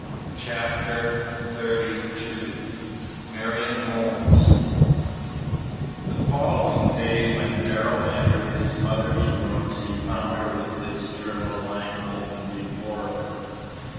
Chapter XXXII MARION HOLMES The following day when Darrell entered his mother's rooms he found her with his journal lying open before her.